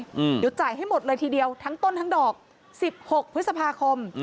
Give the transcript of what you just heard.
เดี๋ยวจ่ายให้หมดเลยทีเดียวทั้งต้นทั้งดอกสิบหกพฤษภาคม